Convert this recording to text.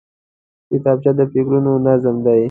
کتابچه د فکرونو نظم دی